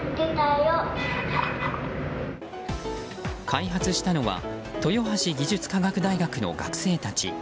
開発したのは豊橋技術科学大学の学生たち。